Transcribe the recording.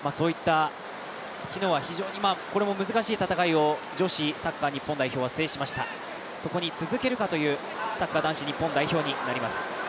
昨日は、これも難しい戦いを女子サッカー日本代表は制しました、そこに続けるかというサッカー男子日本代表になります。